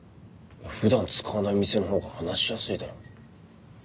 普段使わない店のほうが話しやすいだろ。